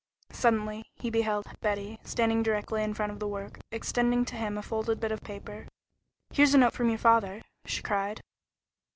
Suddenly he beheld Betty, standing directly in front of the work, extending to him a folded bit of paper. "Here's a note from your father," she cried.